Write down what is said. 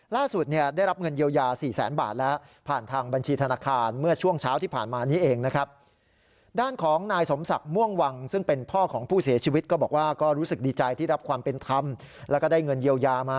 ล่าสุดได้รับเงินเยียวยา๔๐๐๐๐๐บาทแล้ว